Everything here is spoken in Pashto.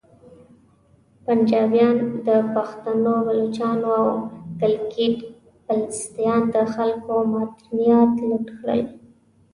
پنجابیانو د پختنو، بلوچانو او ګلګیت بلتیستان د خلکو معدنیات لوټ کړل